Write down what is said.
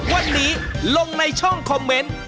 วันนี้ลงในช่องคอมเมนต์